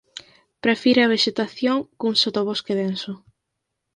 Prefire a vexetación cun sotobosque denso.